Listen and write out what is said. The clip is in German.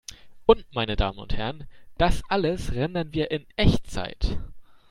Und, meine Damen und Herren, das alles rendern wir in Echtzeit!